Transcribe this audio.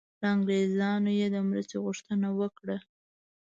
له انګریزانو یې د مرستې غوښتنه وکړه.